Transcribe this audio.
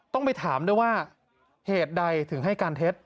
ต้องไปถามด้วยว่าเหตุใดถึงให้การเท็จ